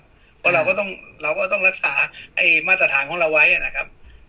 เพราะเราก็ต้องเราก็ต้องรักษามาตรฐานของเราไว้นะครับ